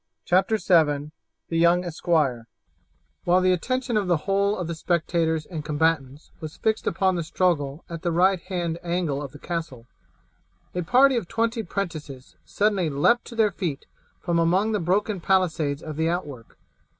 CHAPTER VII: THE YOUNG ESQUIRE While the attention of the whole of the spectators and combatants was fixed upon the struggle at the right hand angle of the castle, a party of twenty 'prentices suddenly leapt to their feet from among the broken palisades of the outwork.